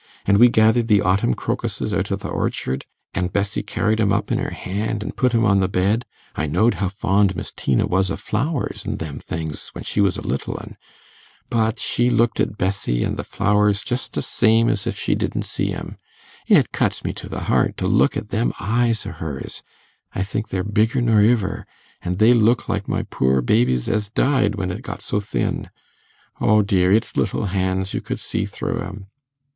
An' we gathered the autumn crocuses out o' th' orchard, and Bessie carried 'em up in her hand, an' put 'em on the bed. I knowed how fond Miss Tina was o' flowers an' them things, when she was a little un. But she looked at Bessie an' the flowers just the same as if she didn't see 'em. It cuts me to th' heart to look at them eyes o' hers; I think they're bigger nor iver, an' they look like my poor baby's as died, when it got so thin O dear, its little hands you could see thro' 'em.